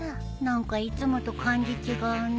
何かいつもと感じ違うね。